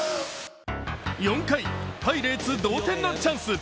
４回、パイレーツ同点のチャンス。